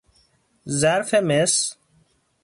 ظرف مس